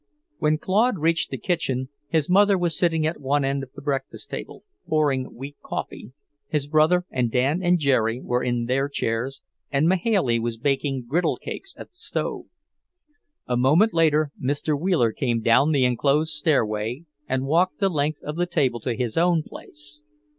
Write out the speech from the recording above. When Claude reached the kitchen, his mother was sitting at one end of the breakfast table, pouring weak coffee, his brother and Dan and Jerry were in their chairs, and Mahailey was baking griddle cakes at the stove. A moment later Mr. Wheeler came down the enclosed stairway and walked the length of the table to his own place.